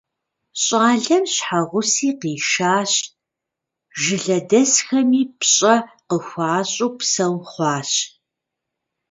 ЩӀалэм щхьэгъуси къишащ, жылэдэсхэми пщӀэ къыхуащӀу псэу хъуащ.